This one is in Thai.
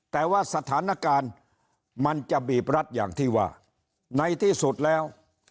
แต่ว่าสถานการณ์มันจะบีบรัดอย่างที่ว่าในที่สุดแล้ว